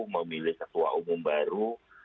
memilih ketua umum baru